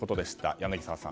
柳澤さん。